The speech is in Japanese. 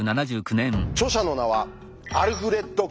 著者の名はアルフレッド・ケンプ。